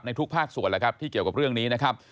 ในทุกภาคส่วนที่เกี่ยวกับเรื่องนี้นะครับ